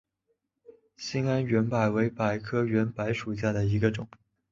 兴安圆柏为柏科圆柏属下的一个种。